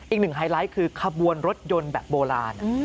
อีกหนึ่งไฮไลท์คือขบวนรถยนต์แบบโบราณ